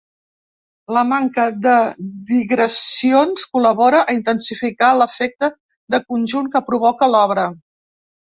La manca de digressions col·labora a intensificar l'efecte de conjunt que provoca l'obra.